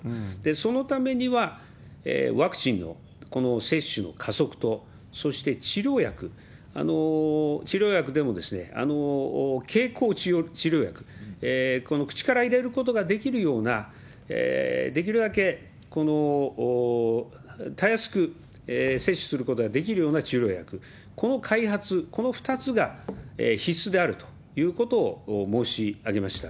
そのためには、ワクチンの接種の加速と、そして治療薬、治療薬でも経口治療薬、この口から入れることができるような、できるだけたやすく接種することができるような治療薬、この開発、この２つが必須であるということを申し上げました。